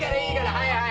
はいはい。